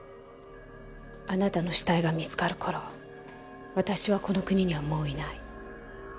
あなたの死体が見つかる頃私はこの国にはもういない。